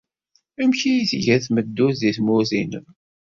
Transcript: Amek ay tga tmeddurt deg tmurt-nnem?